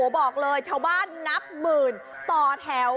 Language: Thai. บอกเลยชาวบ้านนับหมื่นต่อแถว